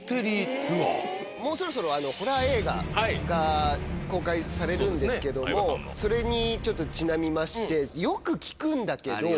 もうそろそろホラー映画が公開されるんですけどもそれにちょっとちなみまして。